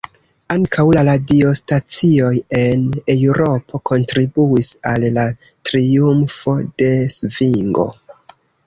Ankaŭ la radiostacioj en Eŭropo kontribuis al la triumfo de svingo.